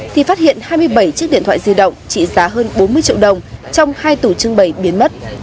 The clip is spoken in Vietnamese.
thì phát hiện hai mươi bảy chiếc điện thoại di động trị giá hơn bốn mươi triệu đồng trong hai tủ trưng bày biến mất